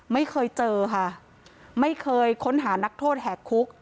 ไม่เคยเจอค่ะไม่เคยค้นหานักโทษแหกคุก